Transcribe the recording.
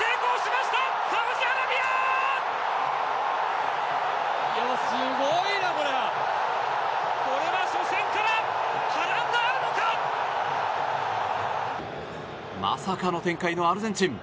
まさかの展開のアルゼンチン。